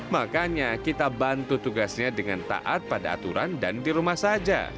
makanya kita bantu tugasnya dengan taat pada aturan dan di rumah saja